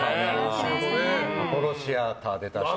アポロ・シアター出た人。